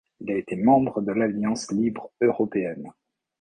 Il a été membre de l'Alliance libre européenne.